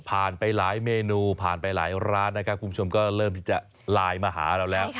ไปหลายเมนูผ่านไปหลายร้านนะครับคุณผู้ชมก็เริ่มที่จะไลน์มาหาเราแล้ว